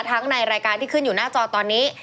ในรายการที่ขึ้นอยู่หน้าจอตอนนี้